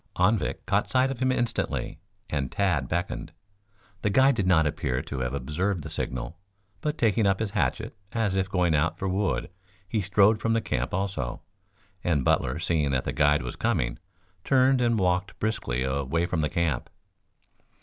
Anvik caught sight of him instantly, and Tad beckoned. The guide did not appear to have observed the signal, but taking up his hatchet as if going out for wood, he strode from the camp also, and Butler seeing that the guide was coming, turned and walked briskly away from the camp.